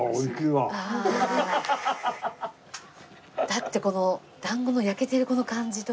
だってこの団子の焼けてるこの感じといい。